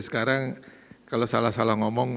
sekarang kalau salah salah ngomong